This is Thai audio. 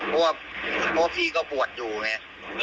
เพราะว่าพี่ก็ปวดอยู่ไง